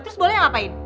terus boleh yang ngapain